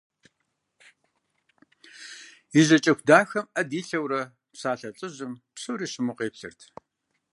И жьакӏэху дахэм ӏэ дилъэурэ псалъэ лӏыжьым псори щыму къеплъырт.